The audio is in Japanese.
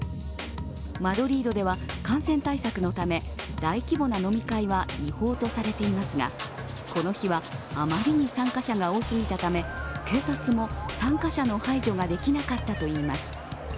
マドリードでは感染対策のため大規模な飲み会は違法とされていますが、この日はあまりに参加者が多すぎたため警察も参加者の排除ができなかったといいます。